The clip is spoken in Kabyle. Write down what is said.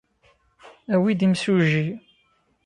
Awi-d imsujji.